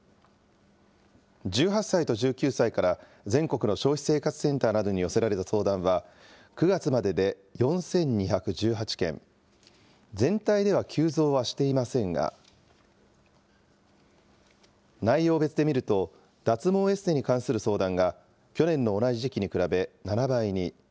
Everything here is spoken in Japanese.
１８歳と１９歳から全国の消費生活センターなどに寄せられた相談は、９月までで４２１８件、全体では急増はしていませんが、内容別で見ると、脱毛エステに関する相談が去年の同じ時期に比べ７倍に。